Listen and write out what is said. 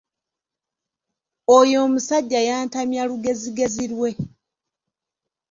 Oyo omusajja yantamya lugezigezi lwe.